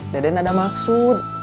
deden ada maksud